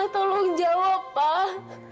tolong jawab pak